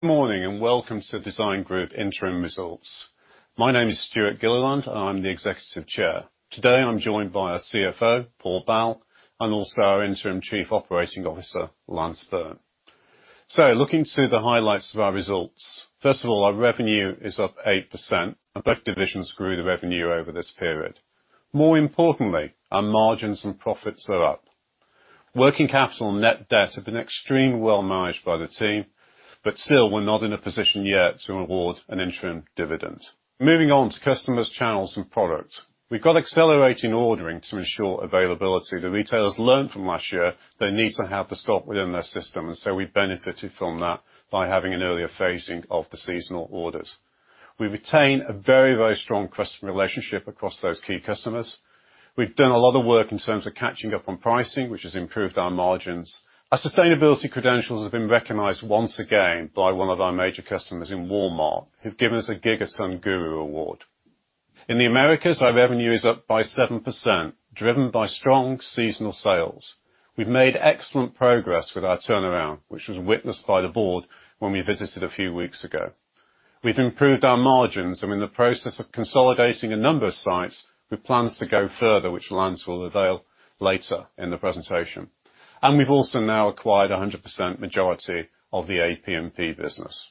Morning and welcome to IG Design Group interim results. My name is Stewart Gilliland, and I'm the Executive Chair. Today, I'm joined by our CFO, Paul Bal, and also our Interim Chief Operating Officer, Lance Burn. Looking to the highlights of our results. First of all, our revenue is up 8% and both divisions grew the revenue over this period. More importantly, our margins and profits are up. Working capital net debt have been extremely well managed by the team, but still we're not in a position yet to award an interim dividend. Moving on to customers, channels, and product. We've got accelerating ordering to ensure availability. The retailers learned from last year they need to have the stock within their system, and so we benefited from that by having an earlier phasing of the seasonal orders. We retain a very strong customer relationship across those key customers. We've done a lot of work in terms of catching up on pricing, which has improved our margins. Our sustainability credentials have been recognized once again by one of our major customers in Walmart, who've given us a Gigaton Guru award. In the Americas, our revenue is up by 7%, driven by strong seasonal sales. We've made excellent progress with our turnaround, which was witnessed by the board when we visited a few weeks ago. We've improved our margins and in the process of consolidating a number of sites with plans to go further, which Lance will avail later in the presentation. We've also now acquired 100% majority of the APP business.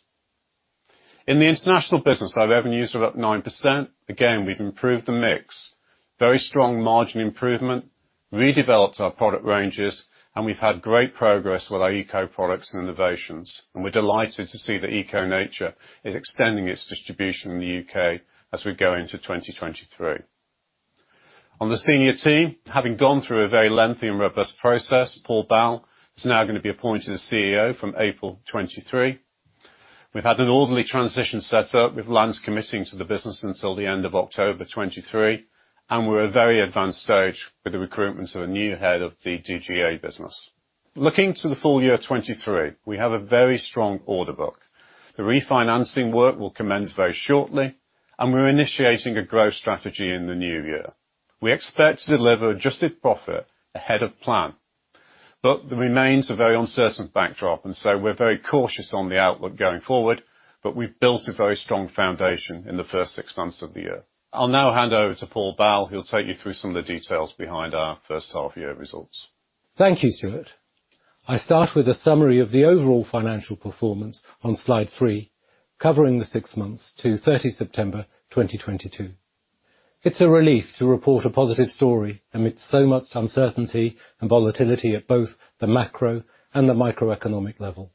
In the international business, our revenue is up 9%. Again, we've improved the mix. Very strong margin improvement, redeveloped our product ranges, we've had great progress with our Eco Nature products and innovations, we're delighted to see that Eco Nature is extending its distribution in the U.K. as we go into 2023. On the senior team, having gone through a very lengthy and robust process, Paul Bal is now gonna be appointed a CEO from April 23. We've had an orderly transition set up, with Lance committing to the business until the end of October 23, we're at a very advanced stage with the recruitment of a new head of the DGA business. Looking to the full year 23, we have a very strong order book. The refinancing work will commence very shortly, we're initiating a growth strategy in the new year. We expect to deliver adjusted profit ahead of plan. There remains a very uncertain backdrop, and so we're very cautious on the outlook going forward, but we've built a very strong foundation in the first six months of the year. I'll now hand over to Paul Bal, who'll take you through some of the details behind our first half year results. Thank you, Stewart. I start with a summary of the overall financial performance on slide three, covering the six months to 30 September 2022. It's a relief to report a positive story amidst so much uncertainty and volatility at both the macro and the microeconomic level.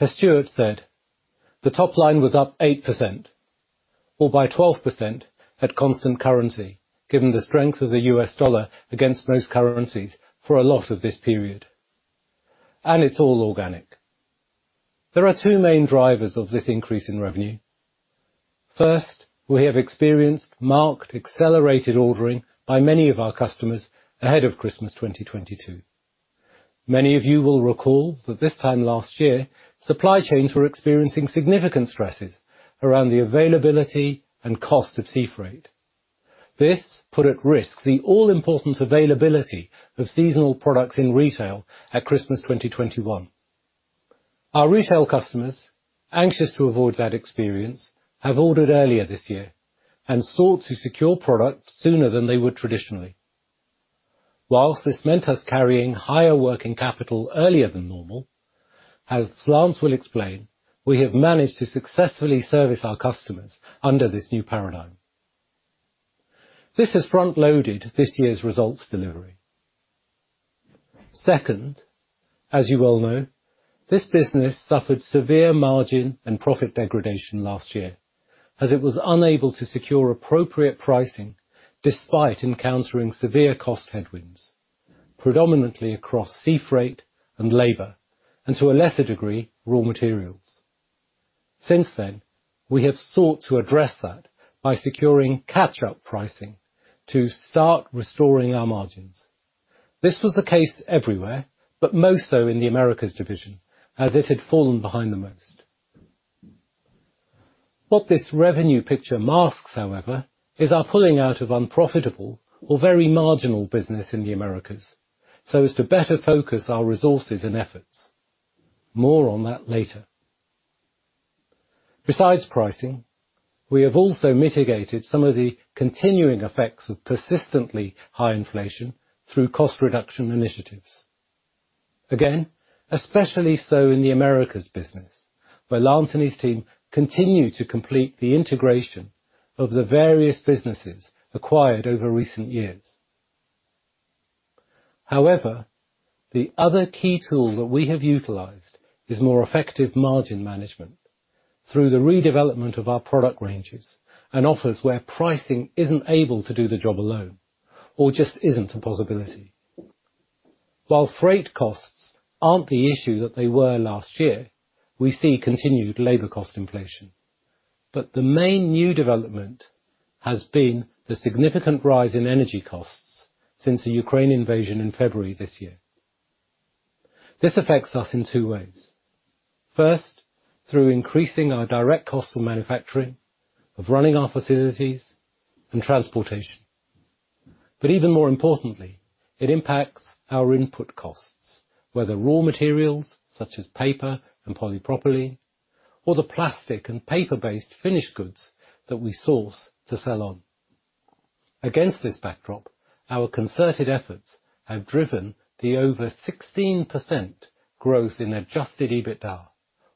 As Stewart said, the top line was up 8% or by 12% at constant currency, given the strength of the US dollar against most currencies for a lot of this period. It's all organic. There are two main drivers of this increase in revenue. First, we have experienced marked accelerated ordering by many of our customers ahead of Christmas 2022. Many of you will recall that this time last year, supply chains were experiencing significant stresses around the availability and cost of sea freight. This put at risk the all-important availability of seasonal products in retail at Christmas 2021. Our retail customers, anxious to avoid that experience, have ordered earlier this year and sought to secure product sooner than they would traditionally. Whilst this meant us carrying higher working capital earlier than normal, as Lance will explain, we have managed to successfully service our customers under this new paradigm. This has front-loaded this year's results delivery. Second, as you well know, this business suffered severe margin and profit degradation last year as it was unable to secure appropriate pricing despite encountering severe cost headwinds, predominantly across sea freight and labor, and to a lesser degree, raw materials. Since then, we have sought to address that by securing catch-up pricing to start restoring our margins. This was the case everywhere, but most so in the Americas division, as it had fallen behind the most. What this revenue picture masks, however, is our pulling out of unprofitable or very marginal business in the Americas, so as to better focus our resources and efforts. More on that later. Besides pricing, we have also mitigated some of the continuing effects of persistently high inflation through cost reduction initiatives. Again, especially so in the Americas business, where Lance and his team continue to complete the integration of the various businesses acquired over recent years. The other key tool that we have utilized is more effective margin management through the redevelopment of our product ranges and offers where pricing isn't able to do the job alone or just isn't a possibility. While freight costs aren't the issue that they were last year, we see continued labor cost inflation. The main new development has been the significant rise in energy costs since the Ukraine invasion in February this year. This affects us in two ways. First, through increasing our direct cost of manufacturing, of running our facilities, and transportation. Even more importantly, it impacts our input costs, whether raw materials such as paper and polypropylene, or the plastic and paper-based finished goods that we source to sell on. Against this backdrop, our concerted efforts have driven the over 16% growth in adjusted EBITDA,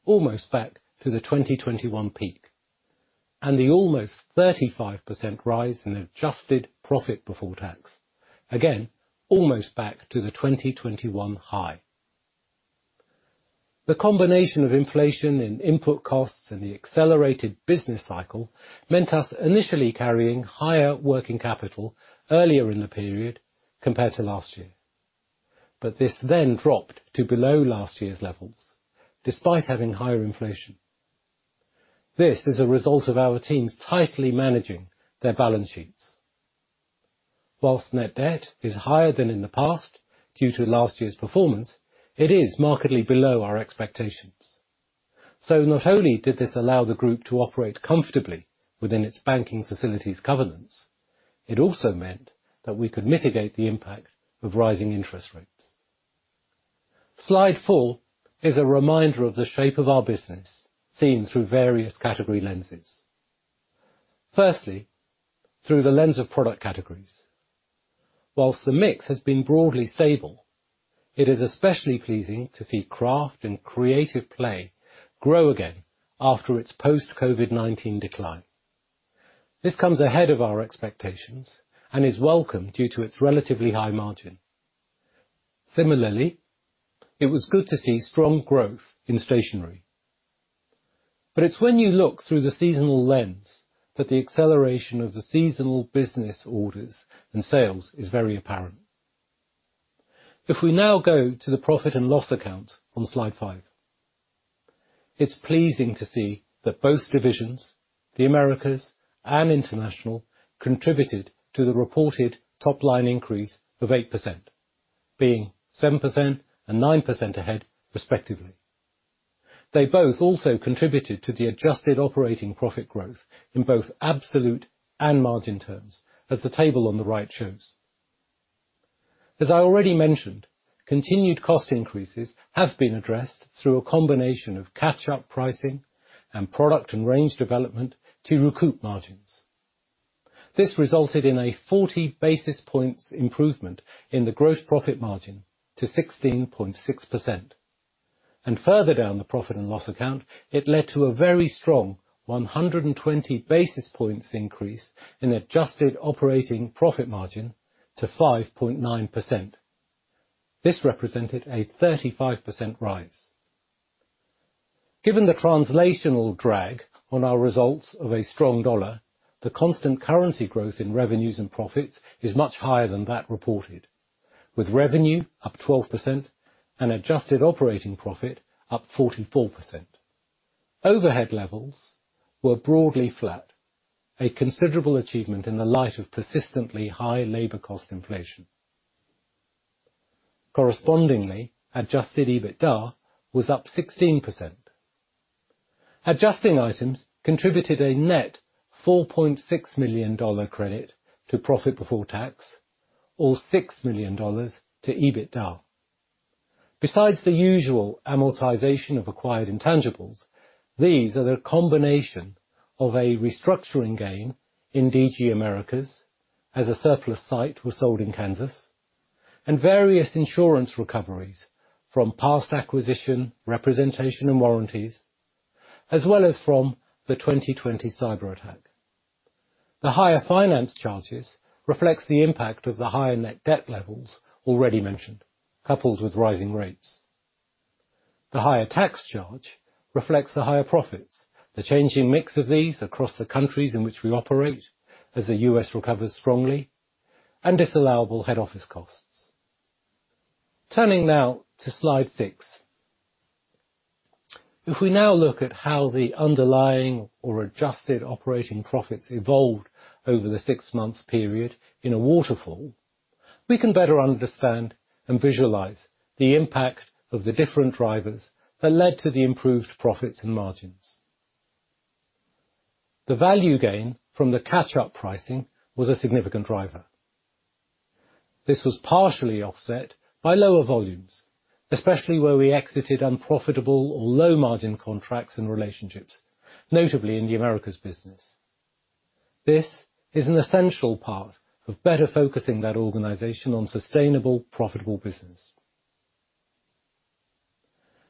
almost back to the 2021 peak, and the almost 35% rise in adjusted profit before tax, again, almost back to the 2021 high. The combination of inflation in input costs and the accelerated business cycle meant us initially carrying higher working capital earlier in the period compared to last year. This then dropped to below last year's levels, despite having higher inflation. This is a result of our teams tightly managing their balance sheets. Whilst net debt is higher than in the past due to last year's performance, it is markedly below our expectations. Not only did this allow the group to operate comfortably within its banking facilities governance, it also meant that we could mitigate the impact of rising interest rates. Slide four is a reminder of the shape of our business, seen through various category lenses. Firstly, through the lens of product categories. Whilst the mix has been broadly stable, it is especially pleasing to see craft and creative play grow again after its post-COVID-19 decline. This comes ahead of our expectations and is welcome due to its relatively high margin. Similarly, it was good to see strong growth in stationery. It's when you look through the seasonal lens that the acceleration of the seasonal business orders and sales is very apparent. If we now go to the profit and loss account on slide five, it's pleasing to see that both divisions, the Americas and International, contributed to the reported top-line increase of 8%, being 7% and 9% ahead, respectively. They both also contributed to the adjusted operating profit growth in both absolute and margin terms, as the table on the right shows. As I already mentioned, continued cost increases have been addressed through a combination of catch-up pricing and product and range development to recoup margins. This resulted in a 40 basis points improvement in the gross profit margin to 16.6%. Further down the profit and loss account, it led to a very strong 120 basis points increase in adjusted operating profit margin to 5.9%. This represented a 35% rise. Given the translational drag on our results of a strong dollar, the constant currency growth in revenues and profits is much higher than that reported, with revenue up 12% and adjusted operating profit up 44%. Overhead levels were broadly flat, a considerable achievement in the light of persistently high labor cost inflation. Correspondingly, adjusted EBITDA was up 16%. Adjusting items contributed a net $4.6 million credit to profit before tax or $6 million to EBITDA. Besides the usual amortization of acquired intangibles, these are the combination of a restructuring gain in DG Americas as a surplus site was sold in Kansas, and various insurance recoveries from past acquisition, representation, and warranties, as well as from the 2020 cyberattack. The higher finance charges reflects the impact of the higher net debt levels already mentioned, coupled with rising rates. The higher tax charge reflects the higher profits, the changing mix of these across the countries in which we operate as the US recovers strongly, and disallowable head office costs. Turning now to slide six. If we now look at how the underlying or adjusted operating profits evolved over the six months period in a waterfall, we can better understand and visualize the impact of the different drivers that led to the improved profits and margins. The value gain from the catch-up pricing was a significant driver. This was partially offset by lower volumes, especially where we exited unprofitable or low-margin contracts and relationships, notably in the Americas business. This is an essential part of better focusing that organization on sustainable, profitable business.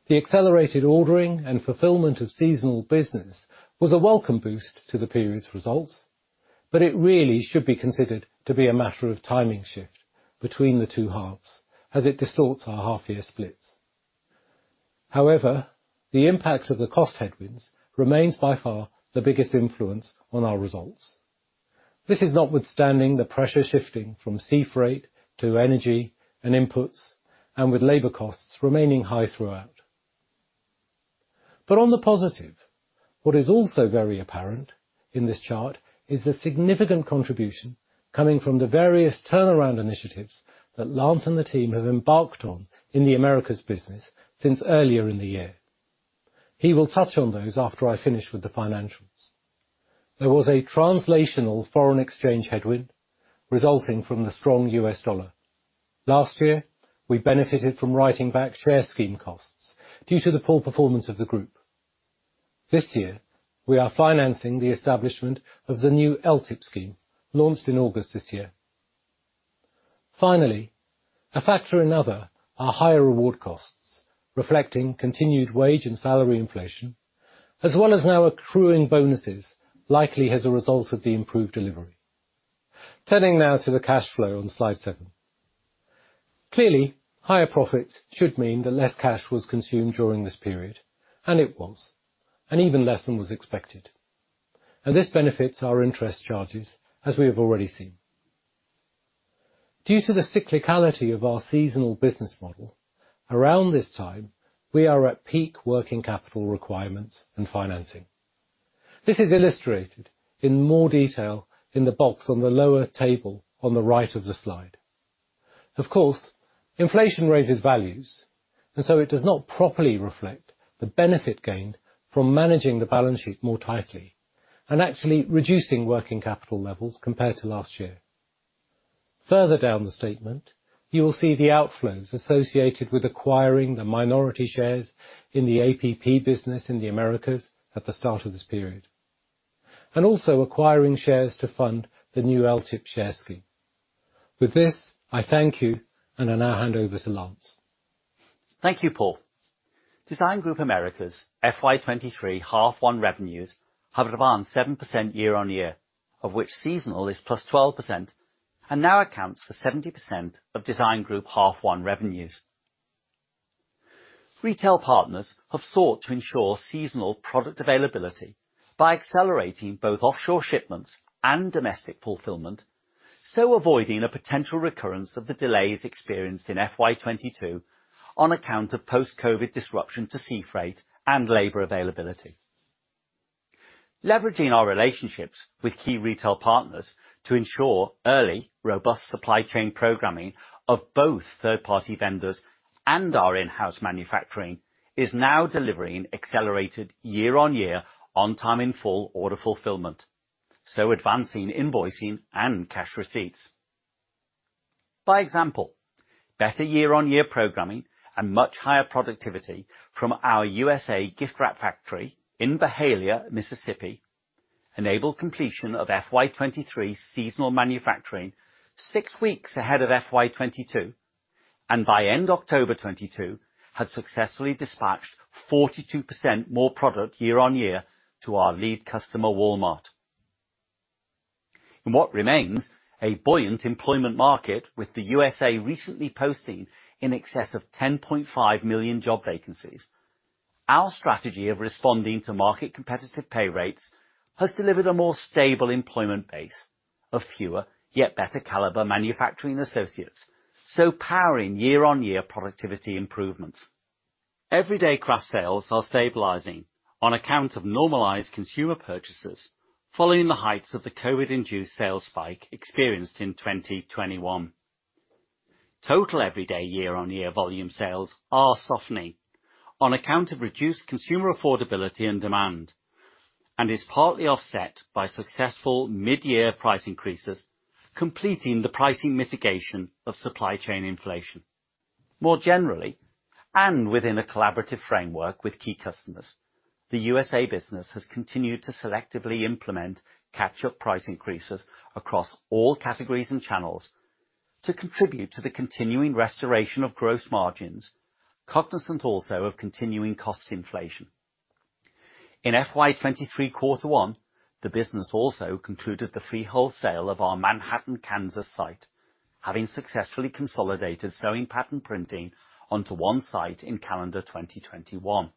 The accelerated ordering and fulfillment of seasonal business was a welcome boost to the period's results, but it really should be considered to be a matter of timing shift between the two halves as it distorts our half-year splits. However, the impact of the cost headwinds remains by far the biggest influence on our results. This is notwithstanding the pressure shifting from sea freight to energy and inputs, and with labor costs remaining high throughout. On the positive, what is also very apparent in this chart is the significant contribution coming from the various turnaround initiatives that Lance Burn and the team have embarked on in the Americas business since earlier in the year. He will touch on those after I finish with the financials. There was a translational foreign exchange headwind resulting from the strong US dollar. Last year, we benefited from writing back share scheme costs due to the poor performance of the Group. This year, we are financing the establishment of the new LTIP scheme launched in August this year. A factor another are higher reward costs, reflecting continued wage and salary inflation, as well as now accruing bonuses, likely as a result of the improved delivery. Turning now to the cash flow on slide seven. Clearly, higher profits should mean that less cash was consumed during this period, and it was, and even less than was expected. This benefits our interest charges, as we have already seen. Due to the cyclicality of our seasonal business model, around this time, we are at peak working capital requirements and financing. This is illustrated in more detail in the box on the lower table on the right of the slide. Of course, inflation raises values, and so it does not properly reflect the benefit gained from managing the balance sheet more tightly and actually reducing working capital levels compared to last year. Further down the statement, you will see the outflows associated with acquiring the minority shares in the APP business in the Americas at the start of this period, and also acquiring shares to fund the new LTIP share scheme. With this, I thank you and I now hand over to Lance. Thank you, Paul. Design Group Americas FY23 half one revenues have advanced 7% year-on-year, of which seasonal is +12% and now accounts for 70% of Design Group half one revenues. Retail partners have sought to ensure seasonal product availability by accelerating both offshore shipments and domestic fulfillment, avoiding a potential recurrence of the delays experienced in FY22 on account of post-COVID-19 disruption to sea freight and labor availability. Leveraging our relationships with key retail partners to ensure early, robust supply chain programming of both third-party vendors and our in-house manufacturing is now delivering accelerated year-on-year on time in full order fulfillment, advancing invoicing and cash receipts. By example, better year-on-year programming and much higher productivity from our USA gift wrap factory in Byhalia, Mississippi, enabled completion of FY23 seasonal manufacturing six weeks ahead of FY22, and by end October 2022 had successfully dispatched 42% more product year-on-year to our lead customer, Walmart. In what remains a buoyant employment market, with the USA recently posting in excess of 10.5 million job vacancies, our strategy of responding to market competitive pay rates has delivered a more stable employment base of fewer, yet better caliber manufacturing associates, so powering year-on-year productivity improvements. Everyday craft sales are stabilizing on account of normalized consumer purchases following the heights of the COVID-induced sales spike experienced in 2021. Total everyday year-on-year volume sales are softening on account of reduced consumer affordability and demand, and is partly offset by successful mid-year price increases, completing the pricing mitigation of supply chain inflation. More generally, and within a collaborative framework with key customers, the USA business has continued to selectively implement catch-up price increases across all categories and channels to contribute to the continuing restoration of gross margins, cognizant also of continuing cost inflation. In FY23 quarter one, the business also concluded the freehold sale of our Manhattan, Kansas site, having successfully consolidated sewing pattern printing onto one site in calendar 2021.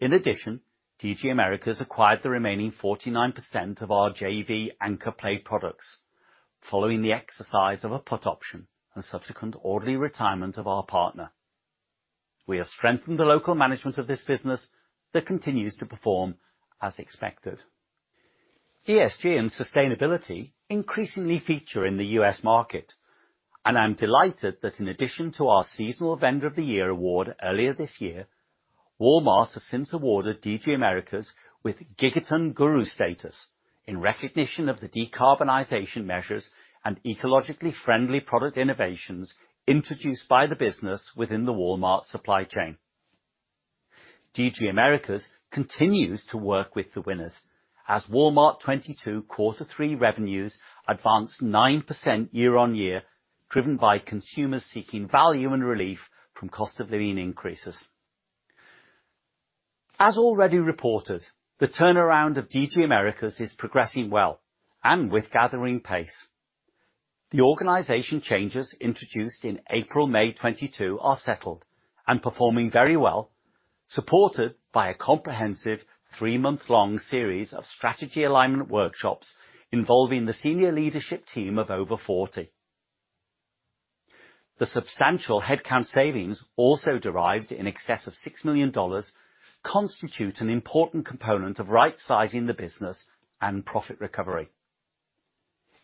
In addition, DG Americas acquired the remaining 49% of our JV Anker Play Products following the exercise of a put option and subsequent orderly retirement of our partner. We have strengthened the local management of this business that continues to perform as expected. ESG and sustainability increasingly feature in the US market. I'm delighted that in addition to our Seasonal Vendor of the Year award earlier this year, Walmart has since awarded DG Americas with Gigaton Guru status in recognition of the decarbonization measures and ecologically friendly product innovations introduced by the business within the Walmart supply chain. DG Americas continues to work with the winners as Walmart 2022 quarter three revenues advanced 9% year-on-year, driven by consumers seeking value and relief from cost of living increases. As already reported, the turnaround of DG Americas is progressing well and with gathering pace. The organization changes introduced in April, May 2022 are settled and performing very well, supported by a comprehensive three-month-long series of strategy alignment workshops involving the senior leadership team of over 40. The substantial headcount savings, also derived in excess of $6 million, constitute an important component of right-sizing the business and profit recovery.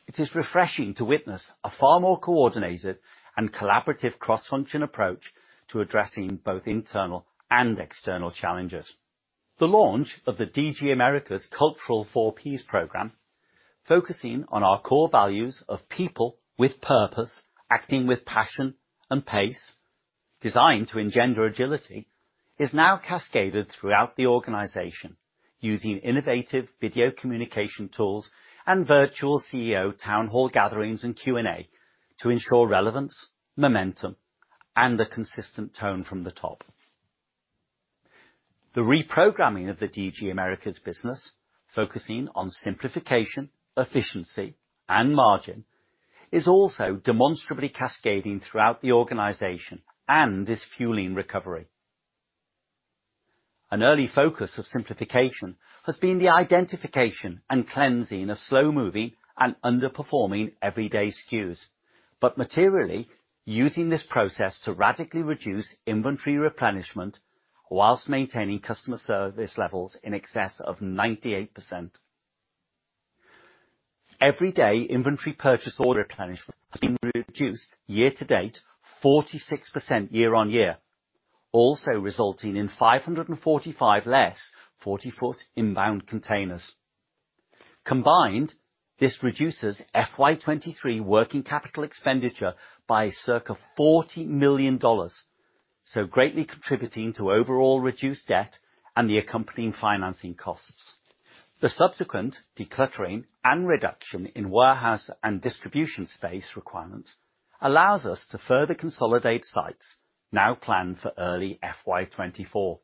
It is refreshing to witness a far more coordinated and collaborative cross-function approach to addressing both internal and external challenges. The launch of the DG Americas Cultural Four Ps Program, focusing on our core values of people with purpose, acting with passion and pace, designed to engender agility, is now cascaded throughout the organization using innovative video communication tools and virtual CEO town hall gatherings and Q&A to ensure relevance, momentum, and a consistent tone from the top. The reprogramming of the DG Americas business, focusing on simplification, efficiency, and margin, is also demonstrably cascading throughout the organization and is fueling recovery. An early focus of simplification has been the identification and cleansing of slow-moving and underperforming everyday SKUs, but materially using this process to radically reduce inventory replenishment while maintaining customer service levels in excess of 98%. Every day, inventory purchase order replenishment has been reduced year to date 46% year-on-year, also resulting in 545 less 40-foot inbound containers. Combined, this reduces FY23 working capital expenditure by circa $40 million, so greatly contributing to overall reduced debt and the accompanying financing costs. The subsequent decluttering and reduction in warehouse and distribution space requirements allows us to further consolidate sites now planned for early FY24.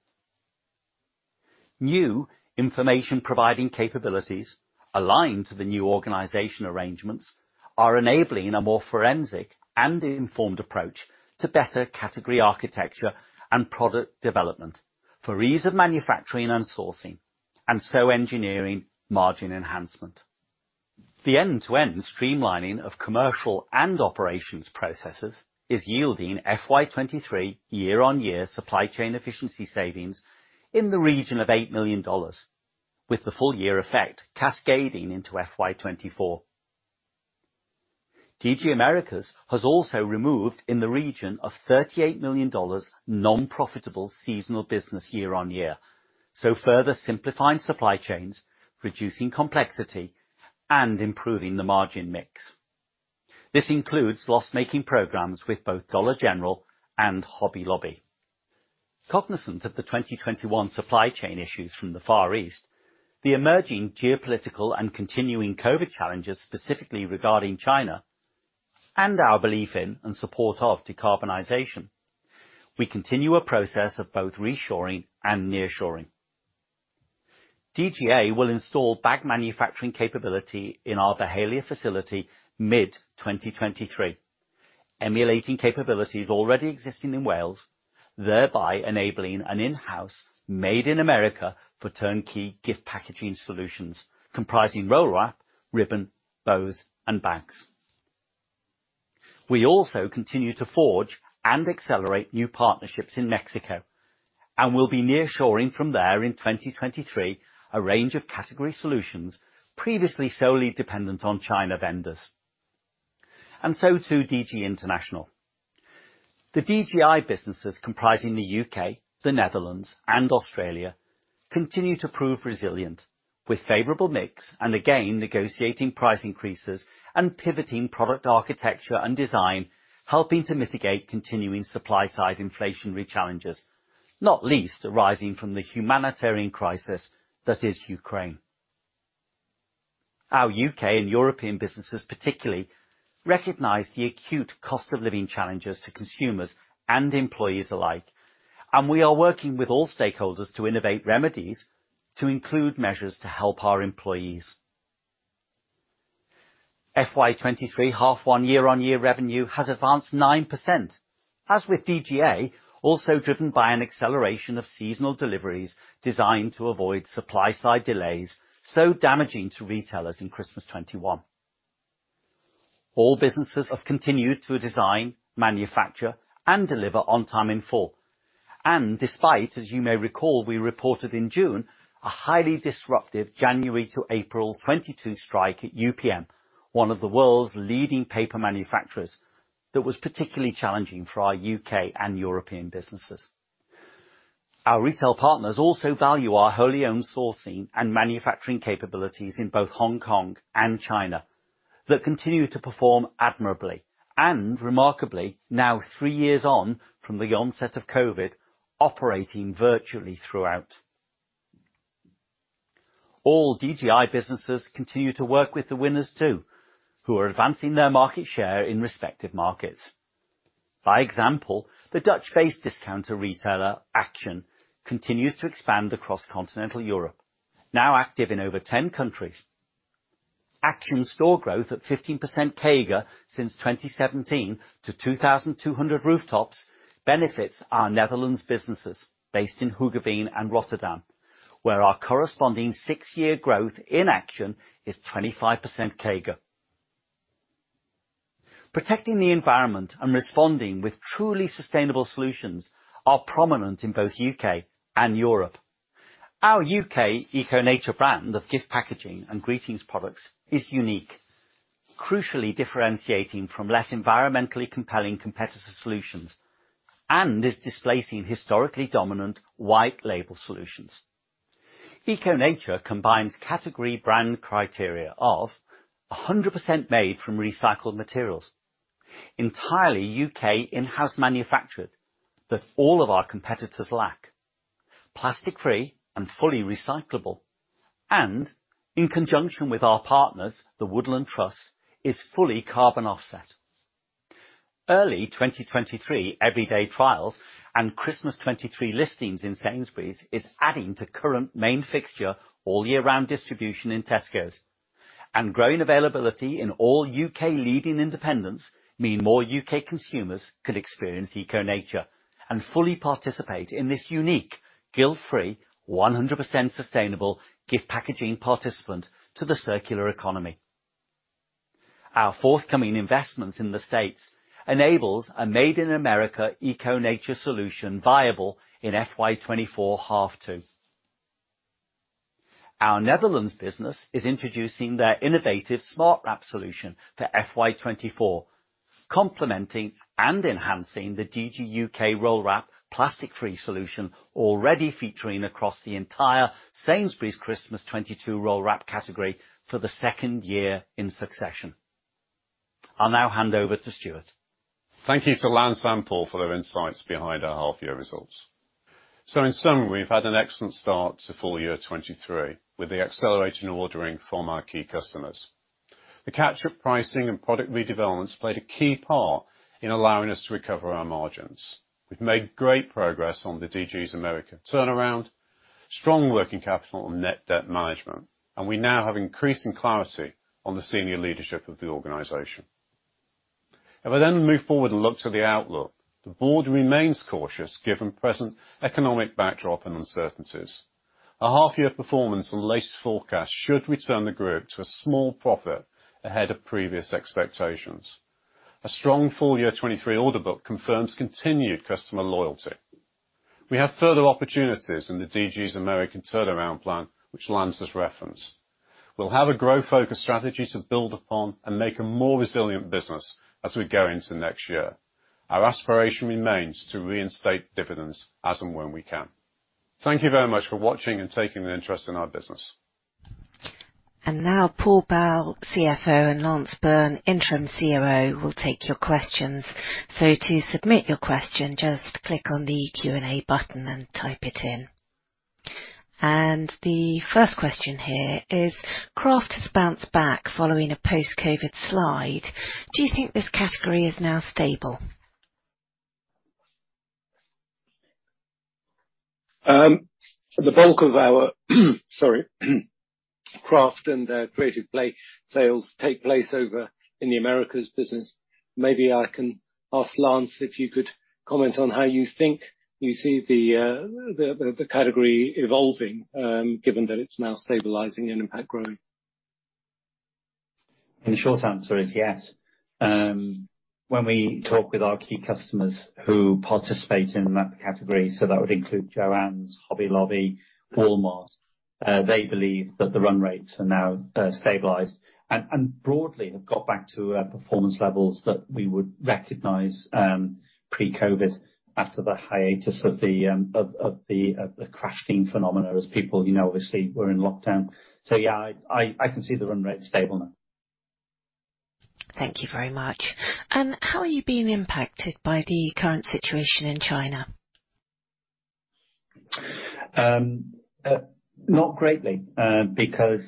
New information providing capabilities aligned to the new organization arrangements are enabling a more forensic and informed approach to better category architecture and product development for ease of manufacturing and sourcing, and so engineering margin enhancement. The end-to-end streamlining of commercial and operations processes is yielding FY23 year-over-year supply chain efficiency savings in the region of $8 million, with the full year effect cascading into FY24. DG Americas has also removed in the region of $38 million non-profitable seasonal business year-over-year, so further simplifying supply chains, reducing complexity, and improving the margin mix. This includes loss-making programs with both Dollar General and Hobby Lobby. Cognizant of the 2021 supply chain issues from the Far East, the emerging geopolitical and continuing COVID challenges, specifically regarding China, and our belief in and support of decarbonization, we continue a process of both reshoring and nearshoring. DGA will install bag manufacturing capability in our Byhalia facility mid-2023, emulating capabilities already existing in Wales, thereby enabling an in-house made in America for turnkey gift packaging solutions comprising roll wrap, ribbon, bows, and bags. We also continue to forge and accelerate new partnerships in Mexico, and we'll be nearshoring from there in 2023 a range of category solutions previously solely dependent on China vendors. To DG International. The DGI businesses comprising the UK, the Netherlands, and Australia continue to prove resilient with favorable mix and again, negotiating price increases and pivoting product architecture and design, helping to mitigate continuing supply-side inflationary challenges, not least arising from the humanitarian crisis that is Ukraine. Our UK and European businesses particularly recognize the acute cost of living challenges to consumers and employees alike, and we are working with all stakeholders to innovate remedies to include measures to help our employees. FY23 H1 year-over-year revenue has advanced 9%, as with DGA, also driven by an acceleration of seasonal deliveries designed to avoid supply-side delays so damaging to retailers in Christmas 2021. All businesses have continued to design, manufacture, and deliver on time in full. Despite, as you may recall, we reported in June a highly disruptive January to April 2022 strike at UPM, one of the world's leading paper manufacturers, that was particularly challenging for our U.K. and European businesses. Our retail partners also value our wholly owned sourcing and manufacturing capabilities in both Hong Kong and China that continue to perform admirably, and remarkably, now three years on from the onset of COVID, operating virtually throughout. All DGI businesses continue to work with the winners too, who are advancing their market share in respective markets. By example, the Dutch-based discounter retailer, Action, continues to expand across continental Europe. Now active in over 10 countries. Action store growth at 15% CAGR since 2017 to 2,200 rooftops benefits our Netherlands businesses based in Hoogeveen and Rotterdam, where our corresponding six-year growth in Action is 25% CAGR. Protecting the environment and responding with truly sustainable solutions are prominent in both UK and Europe. Our UK Eco Nature brand of gift packaging and greetings products is unique, crucially differentiating from less environmentally compelling competitor solutions, and is displacing historically dominant white label solutions. Eco Nature combines category brand criteria of 100% made from recycled materials, entirely U.K. in-house manufactured that all of our competitors lack, plastic-free and fully recyclable, and in conjunction with our partners, the Woodland Trust, is fully carbon offset. Early 2023 everyday trials and Christmas 23 listings in Sainsbury's is adding to current main fixture all year round distribution in Tesco. Growing availability in all U.K. Leading independents mean more UK consumers could experience Eco Nature and fully participate in this unique, guilt-free, 100% sustainable gift packaging participant to the circular economy. Our forthcoming investments in the States enables a Made in America Eco Nature solution viable in FY24, half two. Our Netherlands business is introducing their innovative SmartWrap solution to FY24, complementing and enhancing the DG UK roll wrap plastic-free solution already featuring across the entire Sainsbury's Christmas 2022 roll wrap category for the second year in succession. I'll now hand over to Stewart. Thank you to Lance Burn and Paul Bal for their insights behind our half-year results. In sum, we've had an excellent start to FY23, with the accelerating ordering from our key customers. The catch-up pricing and product redevelopments played a key part in allowing us to recover our margins. We've made great progress on the DG Americas turnaround, strong working capital and net debt management, and we now have increasing clarity on the senior leadership of the organization. If I then move forward and look to the outlook, the board remains cautious given present economic backdrop and uncertainties. A half-year of performance and latest forecast should return the group to a small profit ahead of previous expectations. A strong FY23 order book confirms continued customer loyalty. We have further opportunities in the DG Americas turnaround plan, which Lance Burn has referenced. We'll have a growth-focused strategy to build upon and make a more resilient business as we go into next year. Our aspiration remains to reinstate dividends as and when we can. Thank you very much for watching and taking an interest in our business. Now Paul Bal, CFO, and Lance Burn, Interim COO, will take your questions. To submit your question, just click on the Q&A button and type it in. The first question here is, craft has bounced back following a post-COVID slide. Do you think this category is now stable? The bulk of our, sorry, craft and creative play sales take place over in the Americas business. Maybe I can ask Lance if you could comment on how you think you see the category evolving, given that it's now stabilizing and in fact growing? The short answer is yes. When we talk with our key customers who participate in that category, so that would include JOANN, Hobby Lobby, Walmart, they believe that the run rates are now stabilized and broadly have got back to performance levels that we would recognize pre-COVID after the hiatus of the crafting phenomena as people, you know, obviously were in lockdown. Yeah, I, I can see the run rate stable now. Thank you very much. How are you being impacted by the current situation in China? Not greatly, because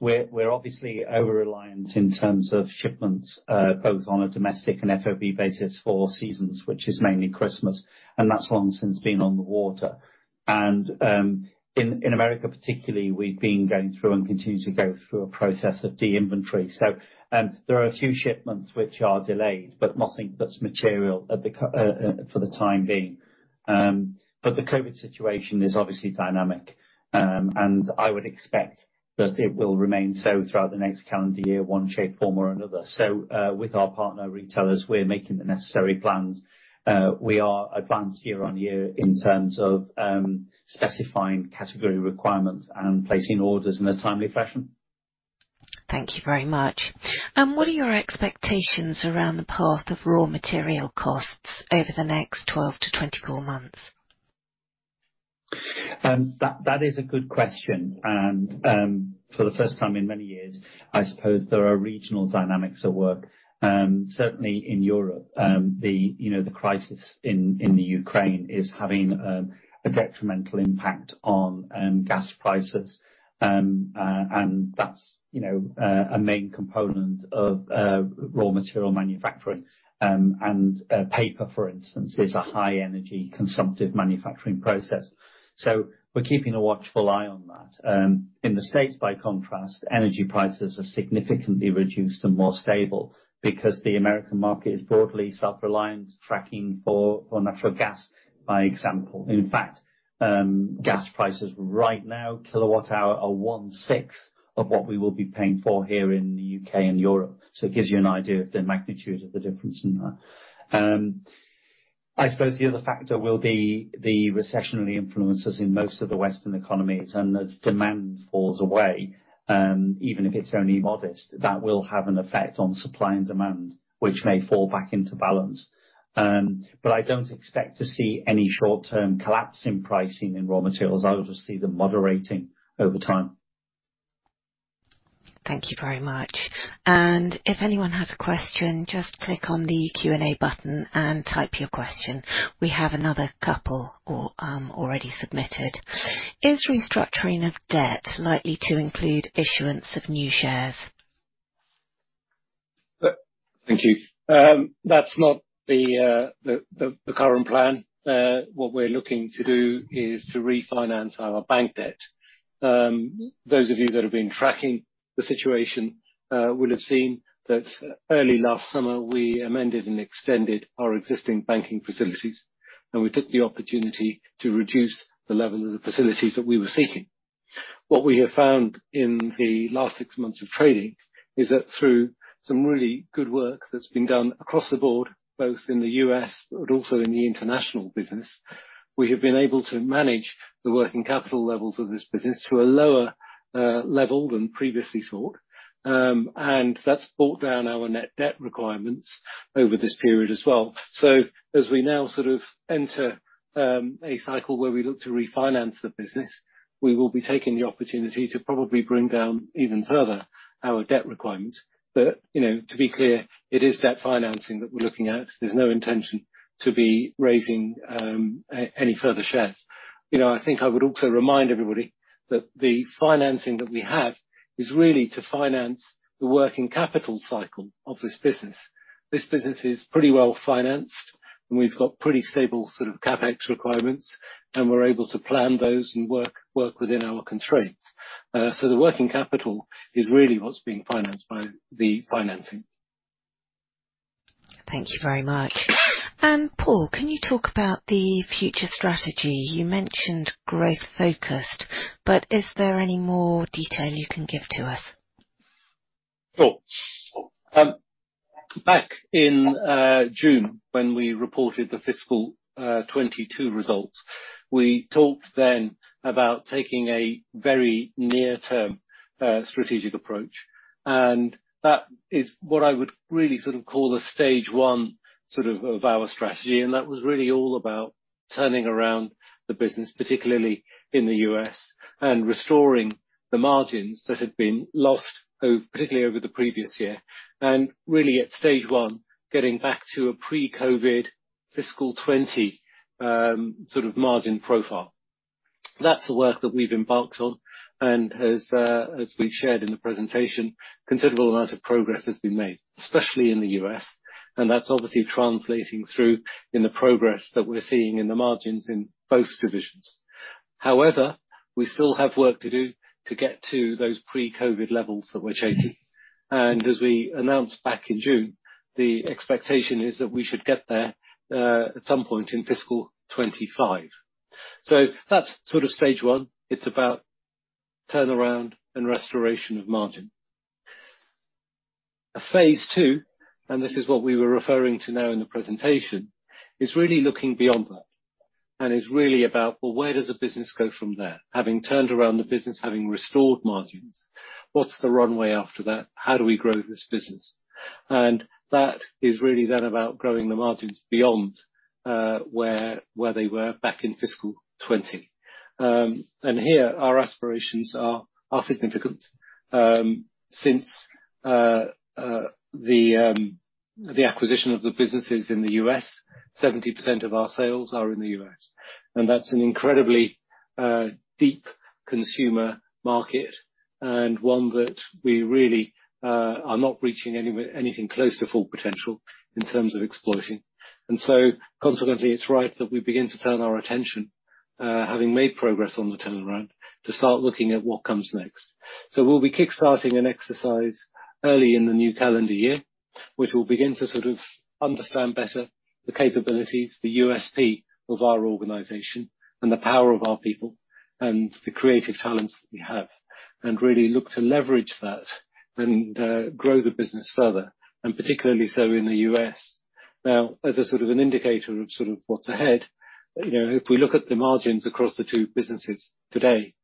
we're obviously over-reliant in terms of shipments, both on a domestic and FOB basis for seasons, which is mainly Christmas, and that's long since been on the water. In America particularly, we've been going through and continue to go through a process of de-inventory. There are a few shipments which are delayed, but nothing that's material for the time being. The COVID situation is obviously dynamic. I would expect that it will remain so throughout the next calendar year, one shape, form, or another. With our partner retailers, we're making the necessary plans. We are advanced year-on-year in terms of specifying category requirements and placing orders in a timely fashion. Thank you very much. What are your expectations around the path of raw material costs over the next 12 to 24 months? That is a good question. For the first time in many years, I suppose there are regional dynamics at work. Certainly in Europe, the, you know, the crisis in Ukraine is having a detrimental impact on gas prices, and that's, you know, a main component of raw material manufacturing. Paper, for instance, is a high energy consumptive manufacturing process. We're keeping a watchful eye on that. In the States, by contrast, energy prices are significantly reduced and more stable because the American market is broadly self-reliant, tracking for natural gas, by example. In fact, gas prices right now, kilowatt-hour, are one-sixth of what we will be paying for here in the UK and Europe. It gives you an idea of the magnitude of the difference in that. I suppose the other factor will be the recessionary influences in most of the Western economies. As demand falls away, even if it's only modest, that will have an effect on supply and demand, which may fall back into balance. I don't expect to see any short-term collapse in pricing in raw materials. I would just see them moderating over time. Thank you very much. If anyone has a question, just click on the Q&A button and type your question. We have another couple already submitted. Is restructuring of debt likely to include issuance of new shares? Thank you. That's not the current plan. What we're looking to do is to refinance our bank debt. Those of you that have been tracking the situation will have seen that early last summer we amended and extended our existing banking facilities, and we took the opportunity to reduce the level of the facilities that we were seeking. What we have found in the last six months of trading is that through some really good work that's been done across the board, both in the US but also in the international business, we have been able to manage the working capital levels of this business to a lower level than previously thought. That's brought down our net debt requirements over this period as well. As we now sort of enter a cycle where we look to refinance the business, we will be taking the opportunity to probably bring down even further our debt requirements. You know, to be clear, it is debt financing that we're looking at. There's no intention to be raising any further shares. You know, I think I would also remind everybody that the financing that we have is really to finance the working capital cycle of this business. This business is pretty well-financed, and we've got pretty stable sort of CapEx requirements, and we're able to plan those and work within our constraints. The working capital is really what's being financed by the financing. Thank you very much. Paul, can you talk about the future strategy? You mentioned growth-focused, but is there any more detail you can give to us? Sure. Back in June, when we reported the fiscal 22 results, we talked then about taking a very near-term strategic approach. That is what I would really sort of call the stage one sort of our strategy, and that was really all about turning around the business, particularly in the US, and restoring the margins that had been lost particularly over the previous year. Really at stage one, getting back to a pre-COVID fiscal 20 sort of margin profile. That's the work that we've embarked on. As we shared in the presentation, considerable amount of progress has been made, especially in the U.S., and that's obviously translating through in the progress that we're seeing in the margins in both divisions. However, we still have work to do to get to those pre-COVID levels that we're chasing. As we announced back in June, the expectation is that we should get there at some point in fiscal 25. That's sort of stage one. It's about turnaround and restoration of margin. Phase two, this is what we were referring to now in the presentation, is really looking beyond that, is really about, well, where does the business go from there? Having turned around the business, having restored margins, what's the runway after that? How do we grow this business? That is really about growing the margins beyond where they were back in fiscal 20. Here our aspirations are significant. Since the acquisition of the businesses in the US, 70% of our sales are in the US. That's an incredibly deep consumer market and one that we really are not reaching anything close to full potential in terms of exploiting. Consequently, it's right that we begin to turn our attention, having made progress on the turnaround, to start looking at what comes next. We'll be kick-starting an exercise early in the new calendar year, which will begin to sort of understand better the capabilities, the USP of our organization and the power of our people and the creative talents that we have, and really look to leverage that and grow the business further, and particularly so in the US. Now, as a sort of an indicator of sort of what's ahead, you know, if we look at the margins across the two businesses today,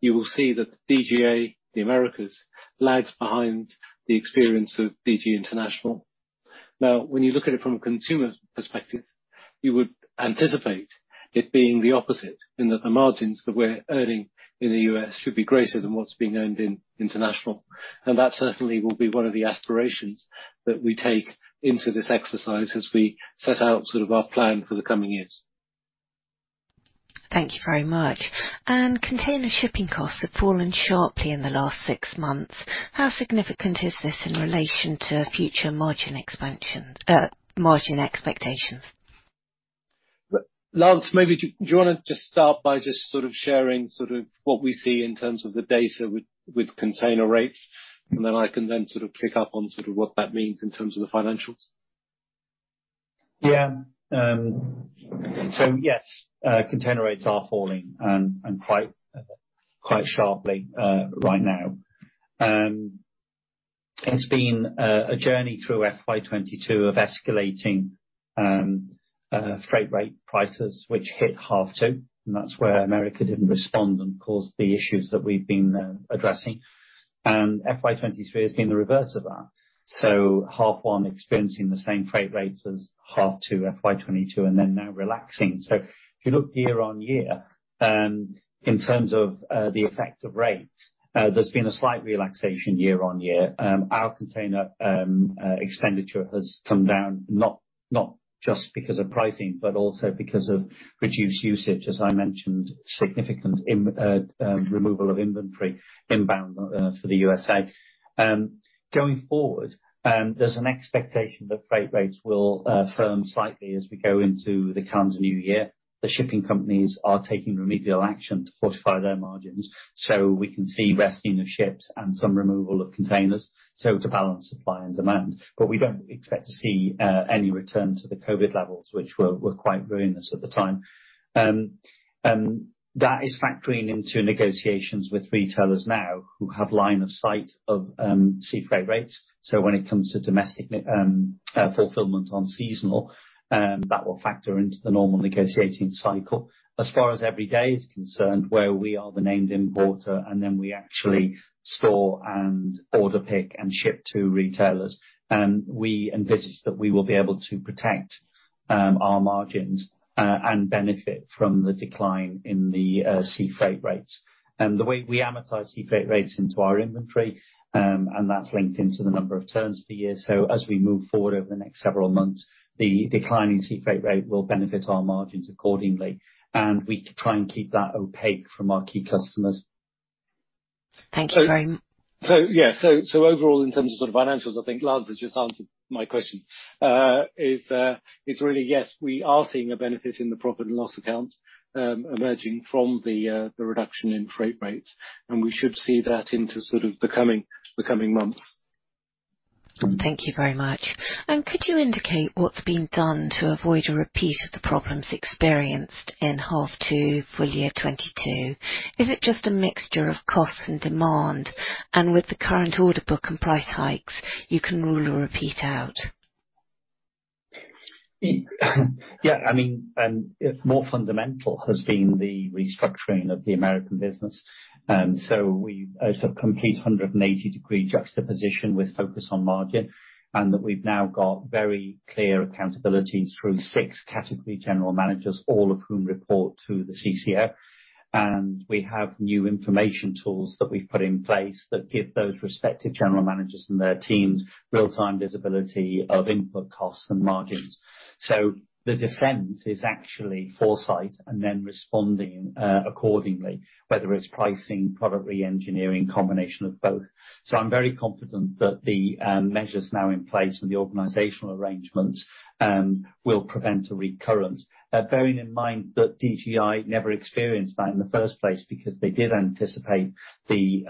you will see that DGA, the Americas, lags behind the experience of DG International. Now, when you look at it from a consumer perspective, you would anticipate it being the opposite, in that the margins that we're earning in the U.S. should be greater than what's being earned in international. That certainly will be one of the aspirations that we take into this exercise as we set out sort of our plan for the coming years. Thank you very much. Container shipping costs have fallen sharply in the last six months. How significant is this in relation to future margin expectations? Lance, maybe do you wanna just start by just sort of sharing sort of what we see in terms of the data with container rates, and then I can then sort of pick up on sort of what that means in terms of the financials. Yeah. So yes, container rates are falling and quite sharply right now. It's been a journey through FY22 of escalating freight rate prices which hit half 2, and that's where America didn't respond and caused the issues that we've been addressing. FY23 has been the reverse of that. So half 1 experiencing the same freight rates as half 2 FY22 and then now relaxing. So if you look year-on-year, in terms of the effect of rates, there's been a slight relaxation year-on-year. Our container expenditure has come down, not just because of pricing, but also because of reduced usage, as I mentioned, significant removal of inventory inbound for the USA. Going forward, there's an expectation that freight rates will firm slightly as we go into the calendar new year. The shipping companies are taking remedial action to fortify their margins, so we can see resting of ships and some removal of containers, so to balance supply and demand. We don't expect to see any return to the COVID levels, which were quite ruinous at the time. That is factoring into negotiations with retailers now who have line of sight of sea freight rates. When it comes to domestic fulfillment on seasonal, that will factor into the normal negotiating cycle. As far as every day is concerned, where we are the named importer, and then we actually store and order pick and ship to retailers, we envisage that we will be able to protect our margins and benefit from the decline in the sea freight rates. The way we amortize sea freight rates into our inventory, and that's linked into the number of turns for years. As we move forward over the next several months, the declining sea freight rate will benefit our margins accordingly, and we try and keep that opaque from our key customers. Thank you very much. Yeah. Overall, in terms of sort of financials, I think Lance has just answered my question. is really yes, we are seeing a benefit in the profit and loss account, emerging from the reduction in freight rates, and we should see that into sort of the coming months. Thank you very much. Could you indicate what's been done to avoid a repeat of the problems experienced in half 2 full year 22? Is it just a mixture of costs and demand? With the current order book and price hikes, you can rule a repeat out. Yeah, I mean, more fundamental has been the restructuring of the American business. A sort of complete 180-degree juxtaposition with focus on margin, and that we've now got very clear accountability through 6 category general managers, all of whom report to the CCO. We have new information tools that we've put in place that give those respective general managers and their teams real-time visibility of input costs and margins. The defense is actually foresight and then responding accordingly, whether it's pricing, product re-engineering, combination of both. I'm very confident that the measures now in place and the organizational arrangements will prevent a recurrence. Bearing in mind that DGI never experienced that in the first place because they did anticipate the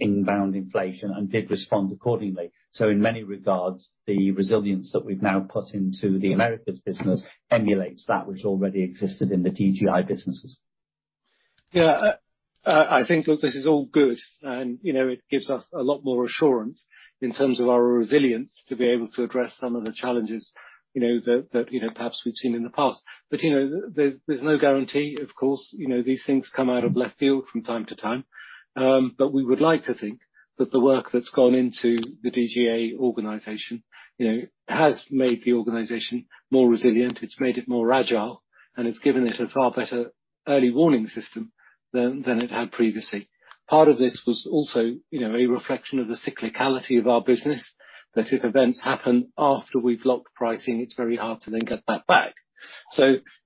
inbound inflation and did respond accordingly. In many regards, the resilience that we've now put into the Americas business emulates that which already existed in the DGI businesses. Yeah. I think look, this is all good and, you know, it gives us a lot more assurance in terms of our resilience to be able to address some of the challenges, you know, that, you know, perhaps we've seen in the past. But, you know, there's no guarantee, of course. You know, these things come out of left field from time to time. But we would like to think that the work that's gone into the DGA organization, you know, has made the organization more resilient, it's made it more agile, and it's given it a far better early warning system than it had previously. Part of this was also, you know, a reflection of the cyclicality of our business, that if events happen after we've locked pricing, it's very hard to then get that back.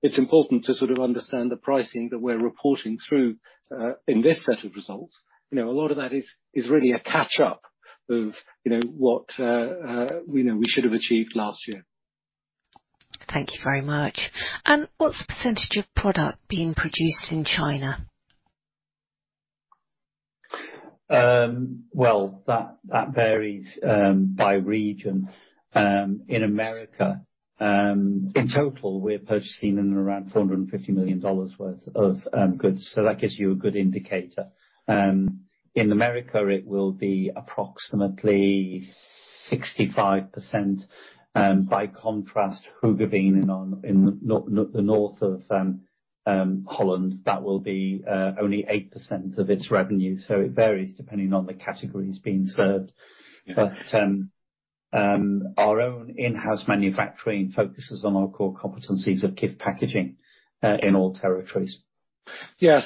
It's important to sort of understand the pricing that we're reporting through in this set of results. You know, a lot of that is really a catch up of, you know, what, you know, we should have achieved last year. Thank you very much. What's the % of product being produced in China? Well, that varies by region. In America, in total, we're purchasing around $450 million worth of goods. That gives you a good indicator. In America, it will be approximately 65%. By contrast, Hoogeveen in the north of Holland, that will be only 8% of its revenue. It varies depending on the categories being served. Our own in-house manufacturing focuses on our core competencies of gift packaging in all territories. Yeah.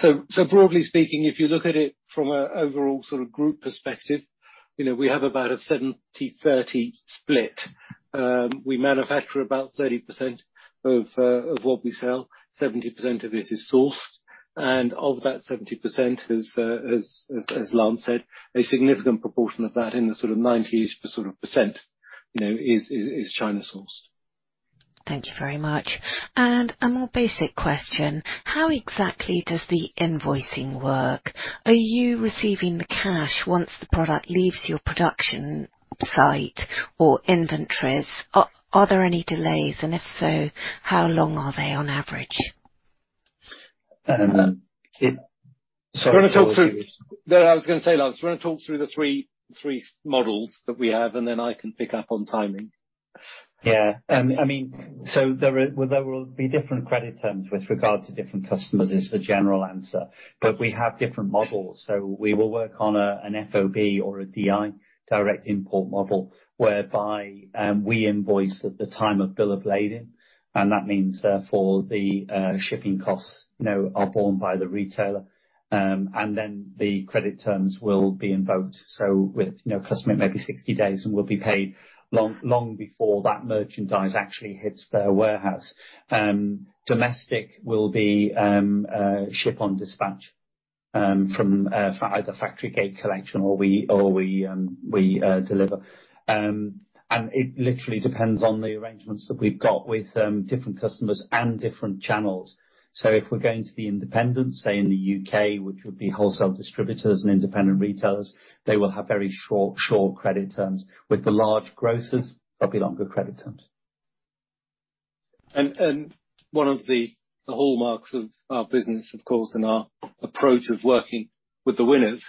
Broadly speaking, if you look at it from a overall sort of group perspective, you know, we have about a 70/30 split. We manufacture about 30% of what we sell. 70% of it is sourced. Of that 70%, as Lance said, a significant proportion of that in the sort of 90-ish sort of percent, you know, is China-sourced. Thank you very much. A more basic question. How exactly does the invoicing work? Are you receiving the cash once the product leaves your production site or inventories? Are there any delays? If so, how long are they on average? Um, it- No, I was gonna say, Lance, do you wanna talk through the three models that we have, and then I can pick up on timing. I mean, there will be different credit terms with regard to different customers, is the general answer. We have different models. We will work on an FOB or a DI, direct import model, whereby we invoice at the time of bill of lading, and that means, therefore, the shipping costs, you know, are borne by the retailer. The credit terms will be invoked. So with, you know, a customer, it may be 60 days and we'll be paid long, long before that merchandise actually hits their warehouse. Domestic will be a ship on dispatch from the factory gate collection or we deliver. It literally depends on the arrangements that we've got with different customers and different channels. If we're going to the independents, say in the UK, which would be wholesale distributors and independent retailers, they will have very short credit terms. With the large grocers, there'll be longer credit terms. One of the hallmarks of our business, of course, and our approach of working with the winners,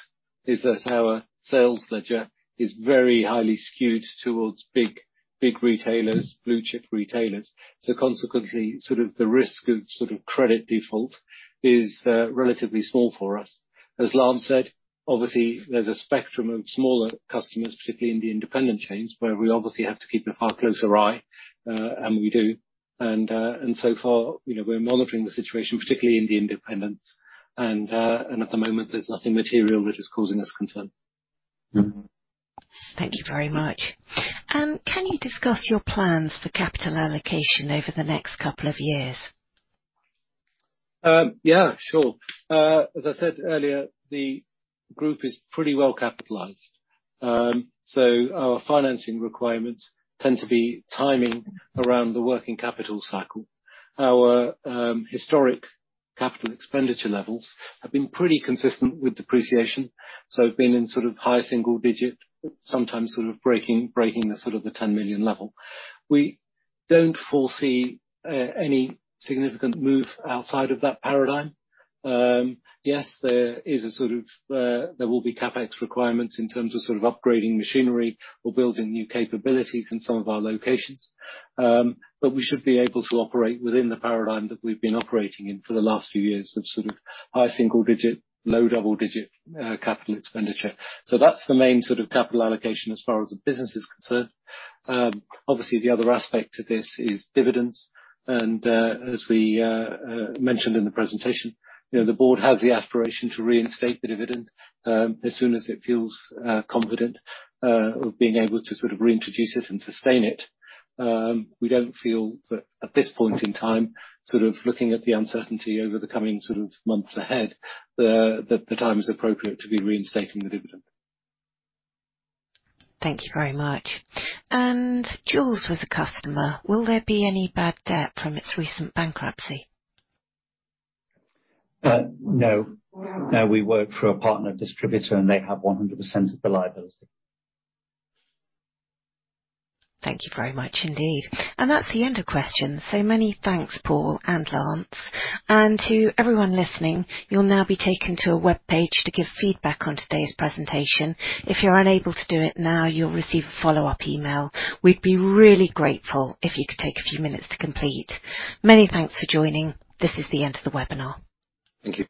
is that our sales ledger is very highly skewed towards big, big retailers, blue chip retailers. Consequently, sort of the risk of credit default is relatively small for us. As Lance said, obviously there's a spectrum of smaller customers, particularly in the independent chains, where we obviously have to keep a far closer eye, and we do. So far, you know, we're monitoring the situation, particularly in the independents. At the moment, there's nothing material which is causing us concern. Mm-hmm. Thank you very much. Can you discuss your plans for capital allocation over the next couple of years? As I said earlier, the group is pretty well capitalized. Our financing requirements tend to be timing around the working capital cycle. Our historic capital expenditure levels have been pretty consistent with depreciation, so have been in high single-digit, sometimes breaking the 10 million level. We don't foresee any significant move outside of that paradigm. Yes, there will be CapEx requirements in terms of upgrading machinery or building new capabilities in some of our locations. We should be able to operate within the paradigm that we've been operating in for the last few years of high single-digit, low double-digit capital expenditure. That's the main capital allocation as far as the business is concerned. Obviously the other aspect to this is dividends. As we mentioned in the presentation, you know, the board has the aspiration to reinstate the dividend as soon as it feels confident of being able to sort of reintroduce it and sustain it. We don't feel that at this point in time, sort of looking at the uncertainty over the coming sort of months ahead, the time is appropriate to be reinstating the dividend. Thank you very much. Joules was a customer. Will there be any bad debt from its recent bankruptcy? No. No, we work through a partner distributor and they have 100% of the liability. Thank you very much indeed. That's the end of questions. Many thanks, Paul and Lance. To everyone listening, you'll now be taken to a webpage to give feedback on today's presentation. If you're unable to do it now, you'll receive a follow-up email. We'd be really grateful if you could take a few minutes to complete. Many thanks for joining. This is the end of the webinar. Thank you.